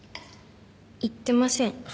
行ってません。